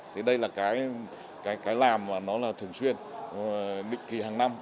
thì đây là cái làm mà nó là thường xuyên định kỳ hàng năm